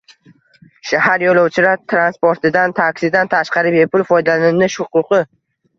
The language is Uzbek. Shahar yo‘lovchilar transportidan, taksidan tashqari bepul foydalanish huquqi